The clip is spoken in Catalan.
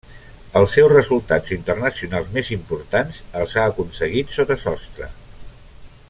Els seus resultats internacionals més importants els ha aconseguit sota sostre.